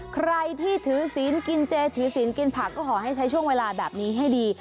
ใครที่ถือศีลกินเจถือศีลกินผักก็ขอให้ใช้ช่วงเวลาแบบนี้ให้ดี